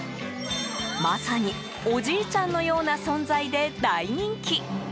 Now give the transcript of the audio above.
まさにおじいちゃんのような存在で大人気。